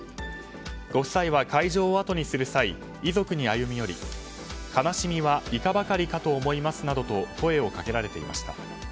ご夫妻は会場をあとにする際遺族に歩み寄り悲しみはいかばかりかと思いますと声をかけられました。